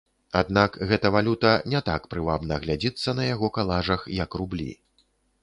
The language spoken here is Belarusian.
Аднак гэта валюта не так прывабна глядзіцца на яго калажах, як рублі.